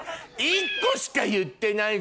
１個しか言ってないじゃん！